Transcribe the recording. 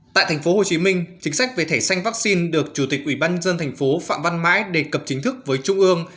tại tp hcm chính sách về thẻ xanh vaccine được chủ tịch ubnd tp phạm văn mãi đề cập chính thức với trung ương